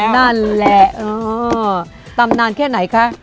นั่นแหละตำนานแค่ไหนคะ